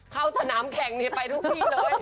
เข้าสนามแข่งไปทุกที่เลย